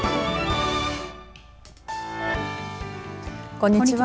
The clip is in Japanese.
こんにちは。